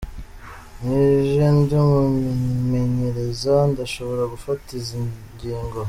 "Nije ndi umumenyereza, ndashobora gufata izo ngingo.